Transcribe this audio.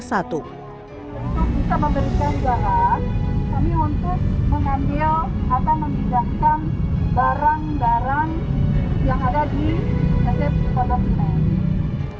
kita memberikan jalan kami untuk mengambil atau menggigahkan barang barang yang ada di sd pondok cina i